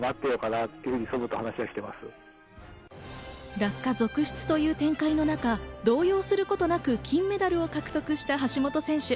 落下続出という展開の中、動揺することなく金メダルを獲得した橋本選手。